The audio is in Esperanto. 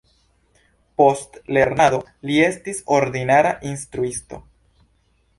Post lernado li estis ordinara instruisto.